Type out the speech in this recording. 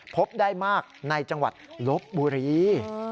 พบได้มากในจังหวัดลบบุรี